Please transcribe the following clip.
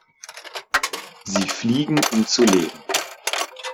Sie fliegen, um zu leben.